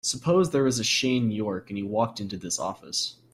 Suppose there was a Shane York and he walked into this office.